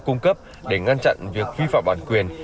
cung cấp để ngăn chặn việc vi phạm bản quyền